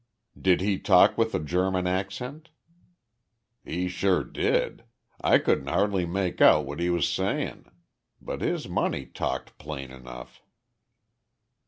"Did he talk with a German accent?" "He sure did. I couldn't hardly make out what he was sayin'. But his money talked plain enough."